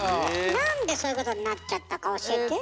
なんでそういうことになっちゃったか教えて？